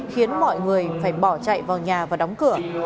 khiến mọi người phải bỏ chạy vào nhà và đóng cửa